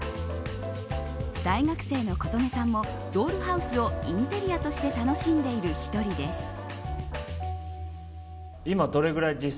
大学生のことねさんもドールハウスをインテリアとして楽しんでいる１人です。